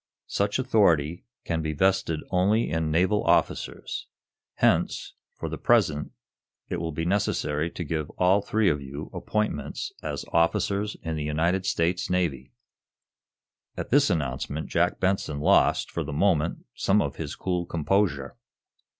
Such authority can be vested only in naval officers. Hence, for the present, it will be necessary to give all three of you appointments as officers in the United States Navy." At this announcement Jack Benson lost, for the moment, some of his cool composure.